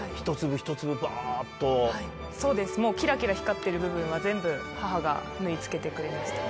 そうですキラキラ光ってる部分は全部母が縫い付けてくれました。